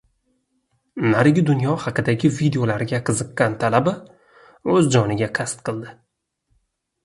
Narigi dunyo haqidagi videolarga qiziqqan talaba o‘z joniga qasd qildi